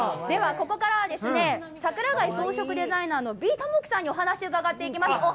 ではここからはですね、さくら貝装飾デザイナーの美智紀さんにお話を伺っていきます。